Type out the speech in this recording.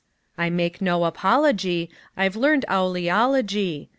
I make no apology; I've learned owl eology.